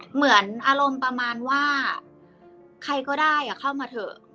เหมือนอารมณ์ประมาณว่าใครก็ได้เข้ามาเถอะ